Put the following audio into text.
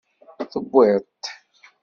Tewwi-t.